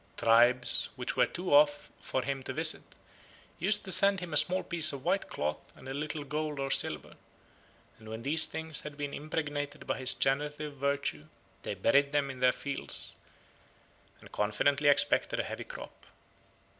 Tribes which were too far off for him to visit used to send him a small piece of white cloth and a little gold or silver, and when these things had been impregnated by his generative virtue they buried them in their fields, and confidently expected a heavy crop.